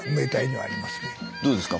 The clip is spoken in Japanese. どうですか？